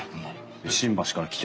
新橋から来て？